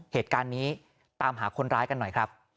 เหตุการณ์นี้ตามหาคนร้ายกันหน่อยครับ